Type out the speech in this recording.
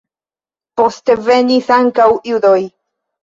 Poste venis ankaŭ judoj.